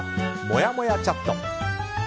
もやもやチャット。